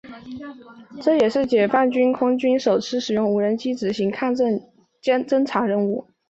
这也是解放军空军首次使用无人机执行抗震救灾侦察任务。